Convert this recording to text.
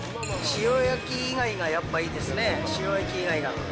塩焼き以外がやっぱいいですね、塩焼き以外が。